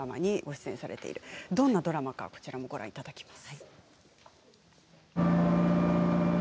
どんなドラマかご覧いただきます。